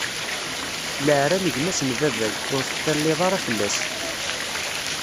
Leɛra n gma-s n baba-k, ur teṭṭilliḍ ara fell-as.